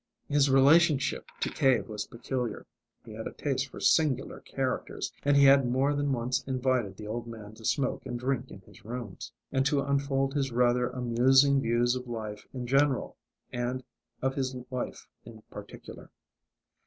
His relationship to Cave was peculiar. He had a taste for singular characters, and he had more than once invited the old man to smoke and drink in his rooms, and to unfold his rather amusing views of life in general and of his wife in particular.